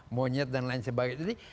monyet dan lain sebagainya